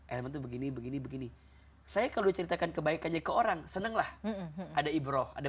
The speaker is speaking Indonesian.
element begini begini begini saya kalau ceritakan kebaikannya ke orang senenglah ada ibroh ada